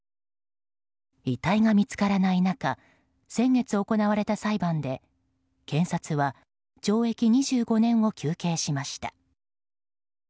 遺体が見つからない中先月行われた裁判で検察は懲役２５年を求刑しました。